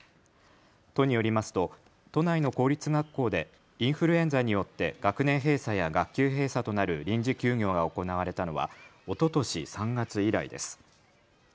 都によりますと都内の公立学校でインフルエンザによって学年閉鎖や学級閉鎖となる臨時休業が行われたのはおととし３月以来です。